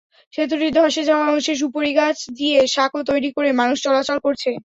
সেতুটির ধসে যাওয়া অংশে সুপারিগাছ দিয়ে সাঁকো তৈরি করে মানুষ চলাচল করছে।